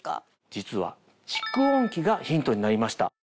実は蓄音器がヒントになりました。